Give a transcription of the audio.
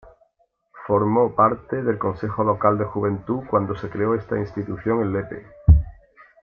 Formó parte del Consejo Local de Juventud cuando se creó esta institución en Lepe.